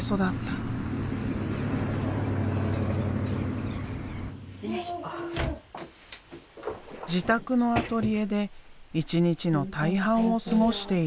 自宅のアトリエで一日の大半を過ごしている。